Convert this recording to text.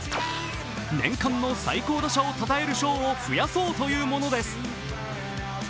年間の最高打者をたたえる賞を増やそうというものです。